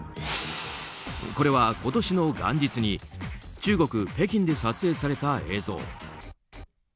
これは今年の元日に中国・北京で撮影された映像。